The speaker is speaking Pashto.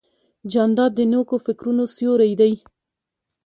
جانداد د نیکو فکرونو سیوری دی.